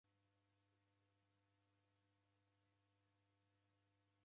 Vadu vake verashuka putu.